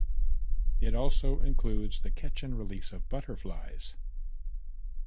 It also includes the "catch and release" of butterflies.